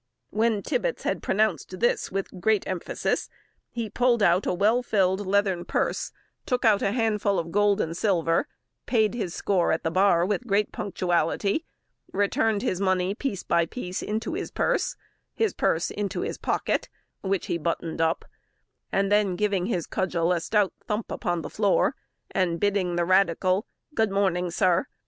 When Tibbets had pronounced this with great emphasis, he pulled out a well filled leathern purse, took out a handful of gold and silver, paid his score at the bar with great punctuality, returned his money, piece by piece, into his purse, his purse into his pocket, which he buttoned up, and then giving his cudgel a stout thump upon the floor, and bidding the radical "Good morning, sir!"